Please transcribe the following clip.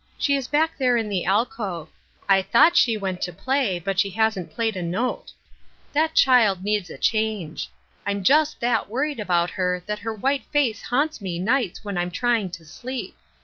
She is back there in the alcove. I thought she went to play, but she hasn't played a note. That child needs a change. I'm just that worried about her that her white face haunts me "ights when I'm trying to sleep.